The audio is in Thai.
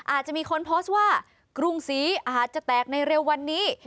อาจจะมีคนโพสต์ว่ากรุงศรีอาจจะแตกในเร็ววันนี้